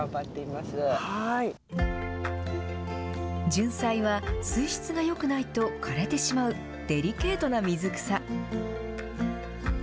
じゅんさいは水質がよくないと枯れてしまうデリケートな水草。